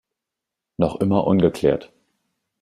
Noch immer ungeklärt".